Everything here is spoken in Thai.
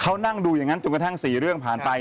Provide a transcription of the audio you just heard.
เขานั่งดูอย่างนั้นจนกระทั่ง๔เรื่องผ่านไป